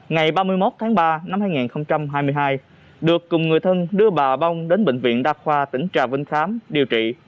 ngày ba mươi một tháng ba năm hai nghìn hai mươi hai được cùng người thân đưa bà bong đến bệnh viện đa khoa tỉnh trà vinh khám điều trị